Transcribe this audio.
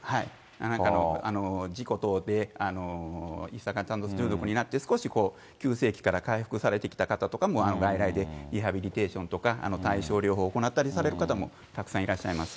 なんかの事故等で一酸化炭素中毒になって、少し急性期から回復されてきた方とかも外来でリハビリテーションとか対症療法を行ったりされる方も、たくさんいらっしゃいます。